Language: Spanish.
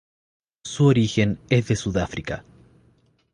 Su origen es de Sudáfrica.